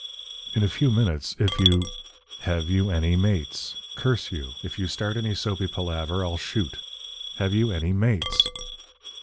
"In a few minutes, if you " "Have you any mates? Curse you. If you start any soapy palaver I'll shoot. Have you any mates?"